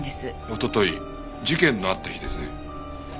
おととい事件のあった日ですね。